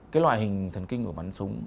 cái loại hình thần kinh của bắn súng